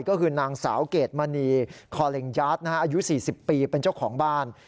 ก็คือนางสาวเกรดมณีคอเล็งยาทอายุ๔๐ปีเป็นเจ้าของบ้าน